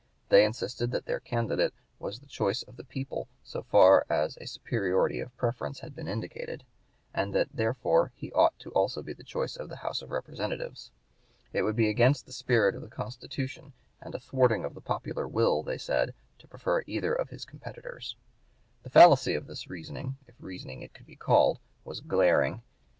They insisted that their candidate was the choice of the people so far as a superiority of preference had been indicated, and that therefore he ought to be also the choice of the House of Representatives. It would be against the spirit of the Constitution and a thwarting of the popular will, they said, to prefer either of his competitors. The fallacy of this reasoning, if reasoning it could be called, was glaring.